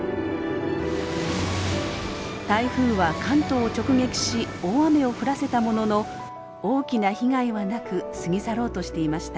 台風は関東を直撃し大雨を降らせたものの大きな被害はなく過ぎ去ろうとしていました。